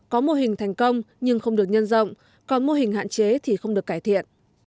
có mô hình thành công nhưng không được nhân rộng còn mô hình hạn chế thì không được cải thiện